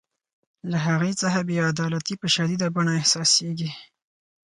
له هغې څخه بې عدالتي په شدیده بڼه احساسیږي.